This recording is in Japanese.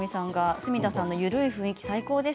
角田さんの緩い雰囲気、最高です。